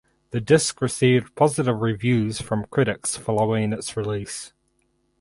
The disc received positive reviews from critics following its release.